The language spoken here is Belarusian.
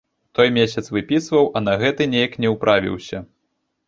Той месяц выпісваў, а на гэты неяк не ўправіўся.